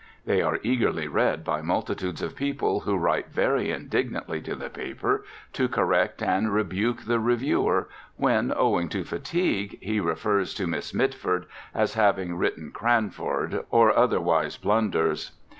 They are eagerly read by multitudes of people who write very indignantly to the paper to correct and rebuke the reviewer when, owing to fatigue, he refers to Miss Mitford as having written "Cranford," or otherwise blunders.